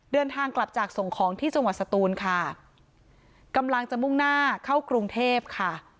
เดินทางกลับจากส่งของที่จังหวัดสตูนค่ะกำลังจะมุ่งหน้าเข้ากรุงเทพค่ะ